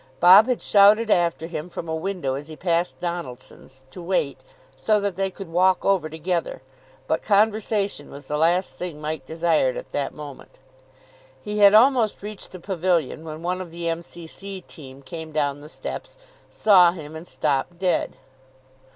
Bob had shouted after him from a window as he passed Donaldson's, to wait, so that they could walk over together; but conversation was the last thing Mike desired at that moment. He had almost reached the pavilion when one of the M.C.C. team came down the steps, saw him, and stopped dead.